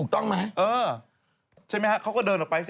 ก็ขึ้นมานั้นไง